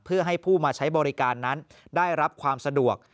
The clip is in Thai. เพื่อให้ผู้มาใช้บริการนั้นได้รับความสะดวก